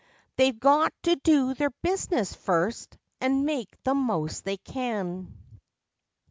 They've got to do their business first, and make the most they can.